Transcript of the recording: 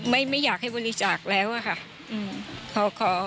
ไม่อยากให้บริจาคแล้วค่ะ